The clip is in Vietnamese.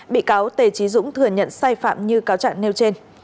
bị cáo tề trí dũng thừa nhận sai phạm như cáo trạng nêu trên